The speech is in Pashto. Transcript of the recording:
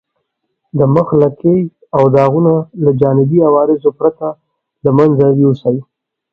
د مخ لکې او داغونه له جانبي عوارضو پرته له منځه یوسئ.